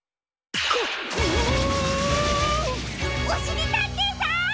おしりたんていさん！？